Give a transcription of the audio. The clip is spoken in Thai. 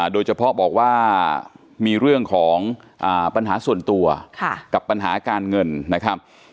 โดยเฉพาะบอกว่ามีเรื่องของปัญหาส่วนตัวกับปัญหาการเงินนะครับ